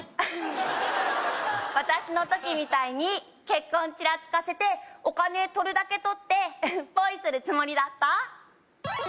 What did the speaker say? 私の時みたいに結婚チラつかせてお金取るだけ取ってポイするつもりだった？